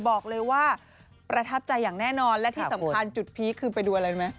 บอกเลยว่าประทับใจอย่างแน่นอนและที่สำคัญจุดพีคคือไปดูอะไรรู้ไหม